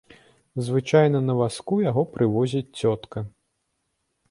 Звычайна на вазку яго прывозіць цётка.